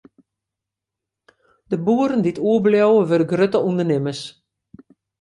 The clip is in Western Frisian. De boeren dy't oerbliuwe, wurde grutte ûndernimmers.